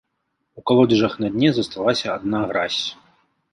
У калодзежах на дне засталася адна гразь.